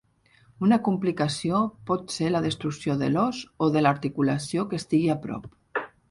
Una complicació pot ser la destrucció de l"os o de l"articulació que estigui a prop.